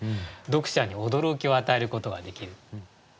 読者に驚きを与えることができる。